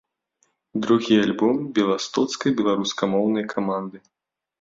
Другі альбом беластоцкай беларускамоўнай каманды.